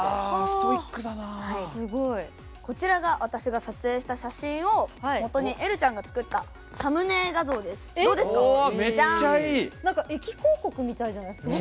こちらが私が撮影した写真をもとにえるちゃんが作ったサムネ画像です、どうですか？